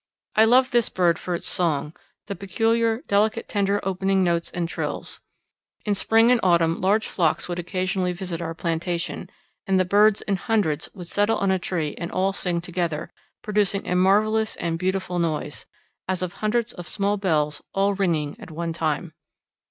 I loved this bird for its song the peculiar delicate tender opening notes and trills. In spring and autumn large flocks would occasionally visit our plantation, and the birds in hundreds would settle on a tree and all sing together, producing a marvellous and beautiful noise, as of hundreds of small bells all ringing at one time.